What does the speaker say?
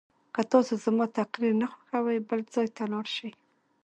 که تاسو زما تقریر نه خوښوئ بل ځای ته لاړ شئ.